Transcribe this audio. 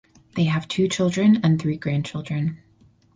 They have two children and three grandchildren.